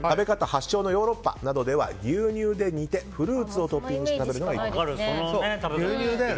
発祥のヨーロッパなどでは牛乳で煮て、フルーツをトッピングして食べるのが一般的。